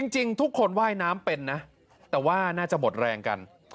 จริงทุกคนว่ายน้ำเป็นนะแต่ว่าน่าจะหมดแรงกัน